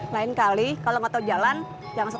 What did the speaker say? lain kali kalau nggak tau jalan jangan setau